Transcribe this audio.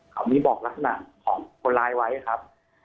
เขามีบอกลักษณะของคนร้ายไว้ครับ